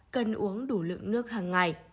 cần uống đủ lượng nước hàng ngày